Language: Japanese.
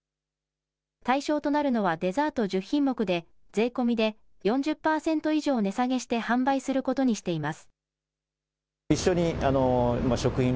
対象となるのはデザート１０品目で税込みで４０％以上値下げして販売することにしています。